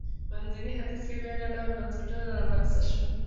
منځني ختیځ کې بیا دا ډول بنسټونه رامنځته شول.